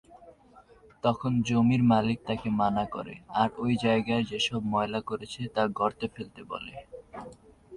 তখন জমির মালিক তাকে মানা করে আর ঐ জায়গায় যেসব ময়লা করেছে তা গর্তে ফেলতে বলে।